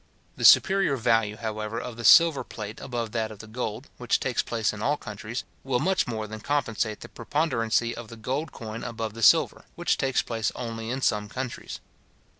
The superior value, however, of the silver plate above that of the gold, which takes place in all countries, will much more than compensate the preponderancy of the gold coin above the silver, which takes place only in some countries.